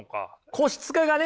個室化がね